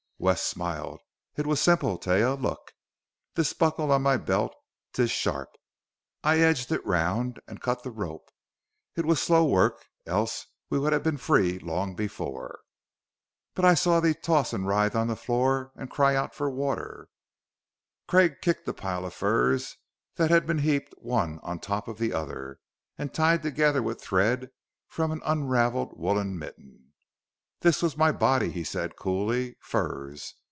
Wes smiled. "It was simple, Taia. Look! This buckle on my belt 'tis sharp. I edged it round and cut the rope. It was slow work, else we would have been free long before." "But I saw thee toss and writhe on the floor, and cry out for water!" Craig kicked a pile of furs that had been heaped one on top of the other, and tied together with thread from an unraveled woolen mitten. "This was my body," he said coolly. "Furs.